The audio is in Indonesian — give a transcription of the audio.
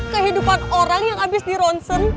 kehidupan orang yang abis dironsen